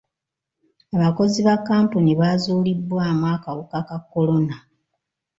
Abakozi ba kkampuni baazuulibwamu akawuka ka kolona.